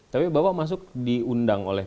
tapi bapak masuk diundang oleh